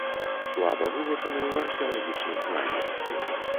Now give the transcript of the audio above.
Слаба вывучаны ў археалагічным плане.